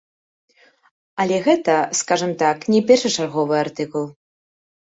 Але гэта, скажам так, не першачарговая артыкул.